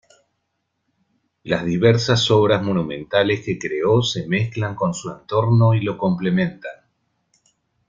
Las diversas obras monumentales que creó se mezclan con su entorno y lo complementan.